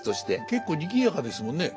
結構にぎやかですもんね。